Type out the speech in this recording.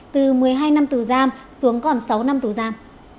từ một mươi hai năm tù giam xuống còn sáu năm tù giam